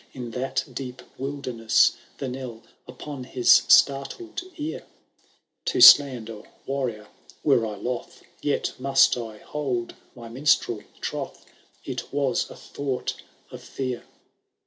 In that deep wildemesi, the knell Upon his startled ear ? To Blander warrior were I loth. Yet must I hold my minstrel trothr— It waa a thought of fear.